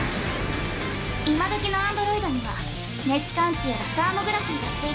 今どきのアンドロイドには熱感知やらサーモグラフィーが付いてるの。